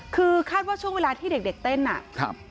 คือคาดว่าช่วงเวลาที่เด็กเต้นอ่ะครับ